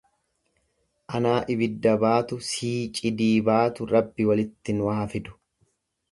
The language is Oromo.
Anaa ibidda baatu sii cidii baatu Rabbi walitti nu haa fidu.